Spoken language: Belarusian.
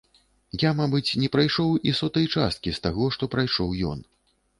Я, мабыць, не прайшоў і сотай часткі з таго, што прайшоў ён.